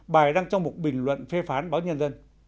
bài đăng trong một bình luận phê phán báo nhân dân